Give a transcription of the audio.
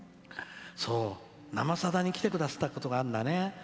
「生さだ」に来てくださったことがあるんだね。